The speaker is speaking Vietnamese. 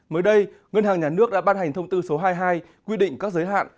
mới đây ngân hàng nhà nước đã ban hành thông tư số hai mươi hai quy định các giới hạn